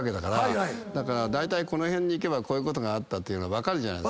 だいたいこの辺に行けばこういうことがあったってのが分かるじゃない。